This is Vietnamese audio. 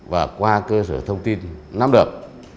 và qua cơ sở thông tin nắm đợt